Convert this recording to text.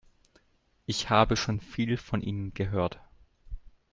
Ich habe schon viel von Ihnen gehört.